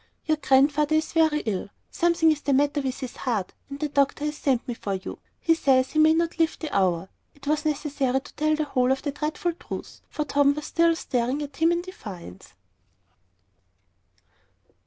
_ "Your Grandfather is very ill; something is the matter with his heart, and the doctor has sent me for you. He says he may not live an hour." It was necessary to tell the whole of the dreadful truth, for Tom was still staring at him in defiance.